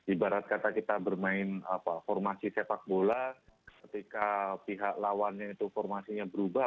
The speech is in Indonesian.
ibarat kata kita bermain formasi sepak bola ketika pihak lawannya itu formasinya berubah